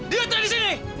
dia tak disini